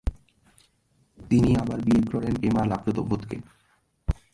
তিনি আবার বিয়ে করেন, এমা লাপ্রেভোতকে।